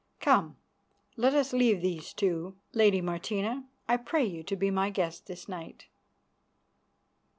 Come, let us leave these two. Lady Martina, I pray you to be my guest this night."